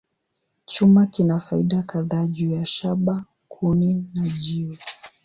Chuma kina faida kadhaa juu ya shaba, kuni, na jiwe.